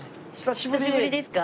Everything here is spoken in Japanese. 久しぶりですか？